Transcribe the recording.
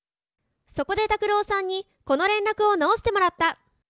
そこで拓朗さんにこの連絡を直してもらった。